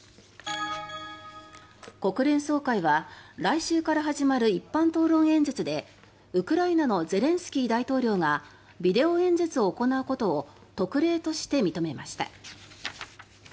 国連総会は来週から始まる一般討論演説でウクライナのゼレンスキー大統領がビデオ演説を行うことを特例として認めました。